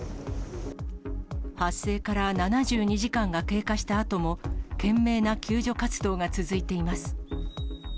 発生から７２時間が経過したあとも、懸命な救助活動が続いています。